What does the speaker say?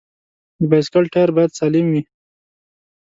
د بایسکل ټایر باید سالم وي.